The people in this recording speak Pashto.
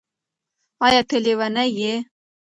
ایا ته لیونی یې؟